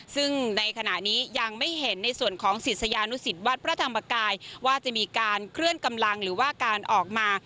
ซึ่งในขณะนี้ยังไม่เห็นในส่วนของศิษยานุสิตวัดพระธรรมกายว่าจะมีการเคลื่อนกำลังหรือว่าการออกมา